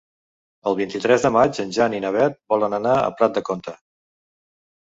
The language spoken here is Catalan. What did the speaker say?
El vint-i-tres de maig en Jan i na Beth volen anar a Prat de Comte.